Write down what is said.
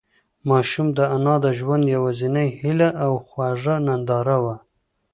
ماشوم د انا د ژوند یوازینۍ هيله او خوږه ننداره وه.